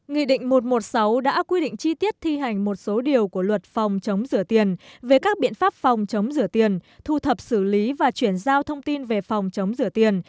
nghị định một trăm một mươi sáu đã quy định chi tiết thi hành một số điều của luật phòng chống rửa tiền về các biện pháp phòng chống rửa tiền thu thập xử lý và chuyển giao thông tin về phòng chống rửa tiền